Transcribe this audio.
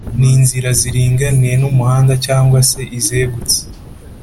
ni inzira ziringaniye n’umuhanda cg se Izegutse